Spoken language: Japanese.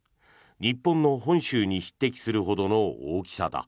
日本の本州に匹敵するほどの大きさだ。